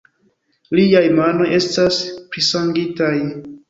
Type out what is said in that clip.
Liaj manoj estas prisangitaj.